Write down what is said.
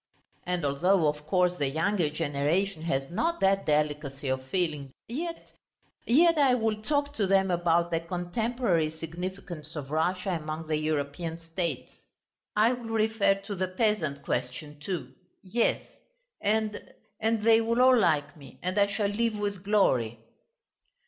And although, of course, the younger generation has not that delicacy of feeling, yet ... yet I will talk to them about the contemporary significance of Russia among the European States. I will refer to the peasant question, too; yes, and ... and they will all like me and I shall leave with glory!..."